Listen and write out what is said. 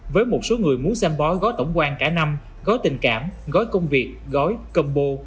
với một số người muốn xem bói gói tổng quan cả năm gói tình cảm gói công việc gói công bô